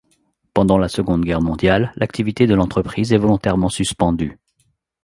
Pendant la Seconde Guerre mondiale, l'activité de l'entreprise est volontairement suspendue.